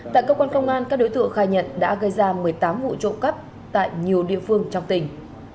tại cơ quan công an các đối tượng khai nhận đã gây ra một mươi tám vụ trộm cắp tại nhiều địa phương trong tỉnh